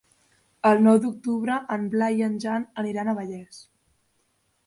El nou d'octubre en Blai i en Jan aniran a Vallés.